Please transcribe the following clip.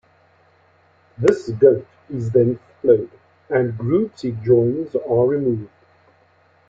This goat is then followed and groups it joins are removed.